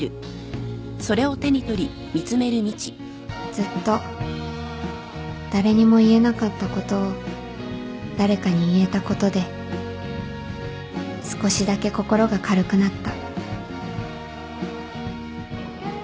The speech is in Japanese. ずっと誰にも言えなかったことを誰かに言えたことで少しだけ心が軽くなった